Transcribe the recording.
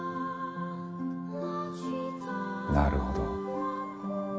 なるほど。